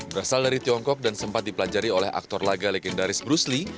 berasal dari tiongkok dan sempat dipelajari oleh aktor laga legendaris bruce lee